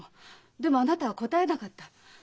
でもあなたは答えなかった。